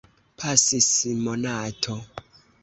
Pasis monato.